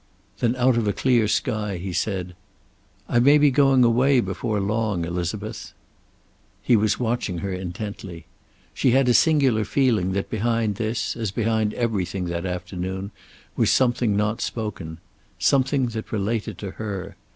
Then, out of a clear sky, he said: "I may be going away before long, Elizabeth." He was watching her intently. She had a singular feeling that behind this, as behind everything that afternoon, was something not spoken. Something that related to her.